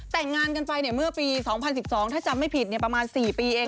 แต่งงานกันไปเมื่อปี๒๐๑๒ถ้าจำไม่ผิดประมาณ๔ปีเอง